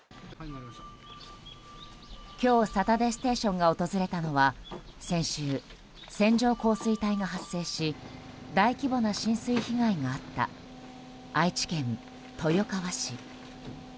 今日「サタデーステーション」が訪れたのは先週、線状降水帯が発生し大規模な浸水被害があった愛知県豊川市。